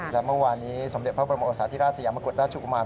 และเมื่อวานนี้สมเด็จพระบรมโอสาธิราชสยามกุฎราชกุมาร